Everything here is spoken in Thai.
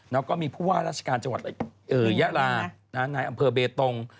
แล้วก็มีผู้ว่าราชการจังหวัดยาลานายอำเภอเบตง